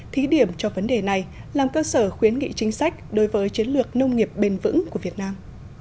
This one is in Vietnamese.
thí điểm cho vấn đề này làm cơ sở khuyến nghị chính sách đối với chiến lược nông nghiệp bền vững của việt nam